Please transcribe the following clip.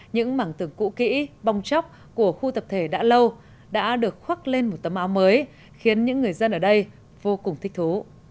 những mảng tường cũ kỹ bong chóc của khu tập thể đã lâu đã được khoác lên một tấm áo mới khiến những người dân ở đây vô cùng thích thú